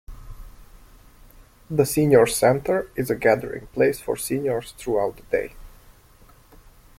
The Senior Center is a gathering place for seniors throughout the day.